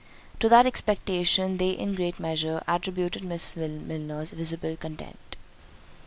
To that expectation they in great measure attributed Miss Milner's visible content.